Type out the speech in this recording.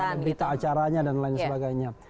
ada berita acaranya dan lain sebagainya